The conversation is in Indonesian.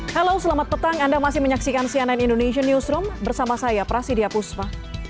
halo selamat petang anda masih menyaksikan cnn indonesian newsroom bersama saya prasidya puspa